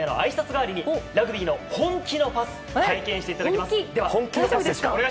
代わりにラグビーの本気のパスを体験していただきます。